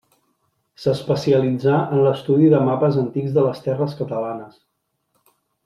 S'especialitzà en l'estudi de mapes antics de les terres catalanes.